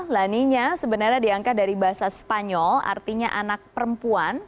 laninya sebenarnya diangkat dari bahasa spanyol artinya anak perempuan